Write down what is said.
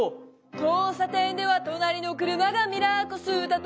「交差点では隣の車がミラーこすったと」